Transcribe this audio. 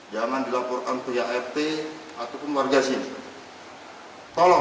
jangan dilaporkan ke rt atau ke keluarga sini